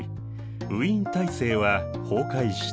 ウィーン体制は崩壊した。